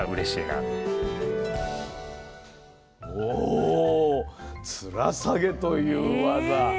おつらさげという技ね。